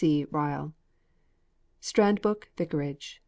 C. RYLE. STKADBROKE VICARAGE.